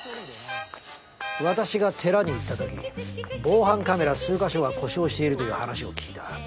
私が寺に行ったとき防犯カメラ数か所が故障しているという話を聞いた。